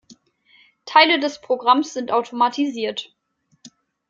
Teile des Programms sind automatisiert.